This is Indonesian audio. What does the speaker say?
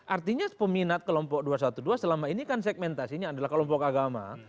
artinya peminat kelompok dua ratus dua belas selama ini kan segmentasinya adalah kelompok agama